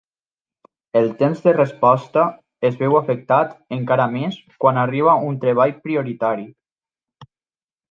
El temps de resposta es veu afectat encara més quan arriba un treball prioritari.